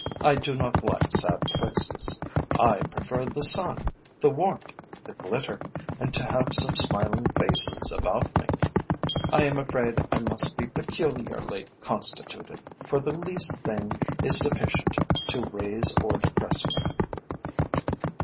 I do not like sad places. I prefer the sun, the warmth, the glitter, and to have smiling faces about me. I am afraid I must be peculiarly constituted, for the least thing is sufficient to raise or depress me."